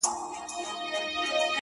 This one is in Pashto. كه دي زما ديدن ياديږي _